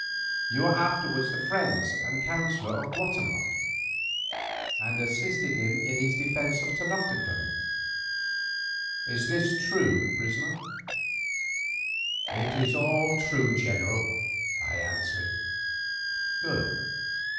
You were afterwards the friend and counsellor of Guatemoc, and assisted him in his defence of Tenoctitlan. Is this true, prisoner?" "It is all true, general," I answered. "Good.